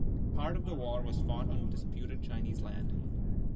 Part of the war was fought on disputed Chinese land.